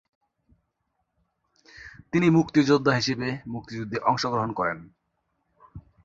তিনি মুক্তিযোদ্ধা হিসেবে মুক্তিযুদ্ধে অংশগ্রহণ করেন।